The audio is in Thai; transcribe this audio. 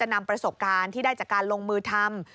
นำประสบการณ์ที่ได้จากการลงมือทำ